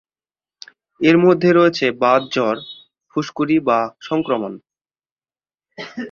এর মধ্যে রয়েছে বাত জ্বর, ফুসকুড়ি, বা সংক্রমণ।